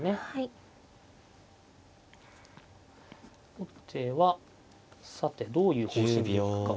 後手はさてどういう方針でいくか。